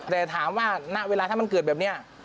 แต่ถามว่าณเวลาถ้ามันเกิดแบบนี้